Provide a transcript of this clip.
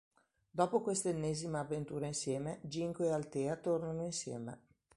Dopo quest'ennesima avventura insieme, Ginko e Altea tornano insieme.